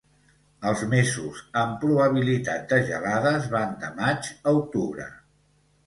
Els mesos amb probabilitat de gelades van de maig a octubre.